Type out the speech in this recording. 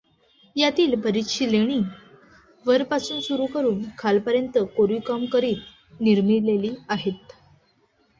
यातील बरीचशी लेणी वरपासून सुरू करून खालपर्यंत कोरीवकाम करीत निर्मिलेली आहेत.